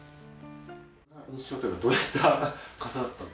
印象というかどういった方だった？